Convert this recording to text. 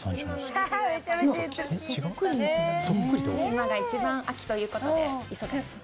今が一番秋ということで忙しい。